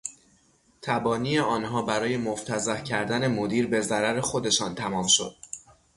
تبانی آنها برای مفتضح کردن مدیر به ضرر خودشان تمام شد.